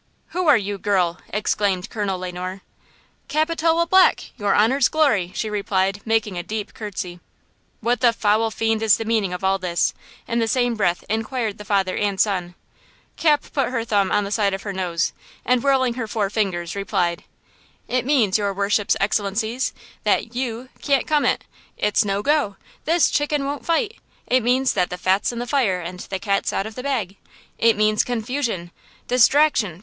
"Who are you, girl?" exclaimed Colonel Le Noir. "Capitola Black, your honor's glory!" she replied, making a deep curtsey. "What the foul fiend is the meaning of all this?" in the same breath inquired the father and son. Cap put her thumb on the side of her nose, and, whirling her four fingers, replied : "It means, your worships' excellencies, that–you–can't come it! it's no go! this chicken won't fight. It means that the fat's in the fire, and the cat's out of the bag! It means confusion! distraction!